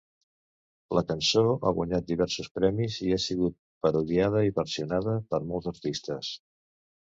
La cançó ha guanyat diversos premis, i ha sigut parodiada i versionada per molts artistes.